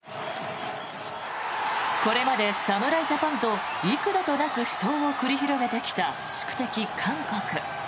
これまで侍ジャパンと幾度となく死闘を繰り広げてきた宿敵・韓国。